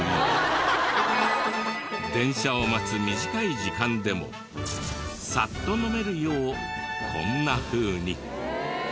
電車を待つ短い時間でもサッと飲めるようこんなふうに。